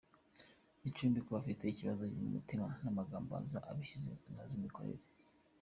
Gicumbi:“Iyo ufite ibibazo mu mutima n’amagambo aza abishye, noza imikorere”